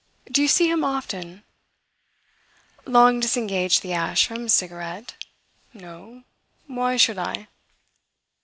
"Do you see him often?" Long disengaged the ash from his cigarette. "No. Why should I?"